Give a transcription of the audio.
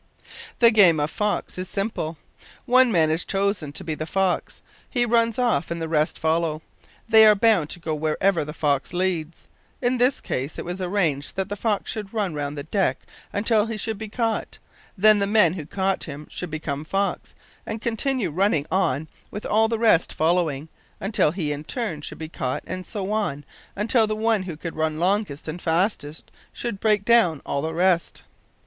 The game of fox is simple. One man is chosen to be the fox. He runs off and the rest follow. They are bound to go wherever the fox leads. In this case it was arranged that the fox should run round the deck until he should be caught; then the man who caught him should become fox, and continue running on with all the rest following, until he, in turn, should be caught, and so on until the one who could run longest and fastest should break down all the rest.